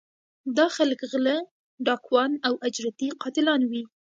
دا خلک غلۀ ، ډاکوان او اجرتي قاتلان وي